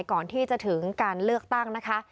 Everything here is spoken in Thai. ก่อนที่จะถึงการเลือกตั้งนะคะ